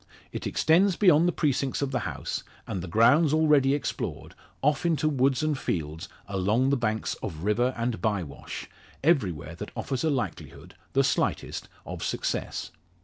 It extends beyond the precincts of the house, and the grounds already explored, off into woods and fields, along the banks of river and bye wash, everywhere that offers a likelihood, the slightest, of success.